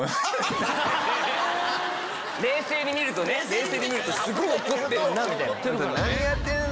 冷静に見るとねすごい怒ってるな！みたいな。